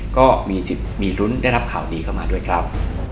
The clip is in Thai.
ก็มีสิทธิ์มีลุ้นได้รับข่าวดีเข้ามาด้วยครับ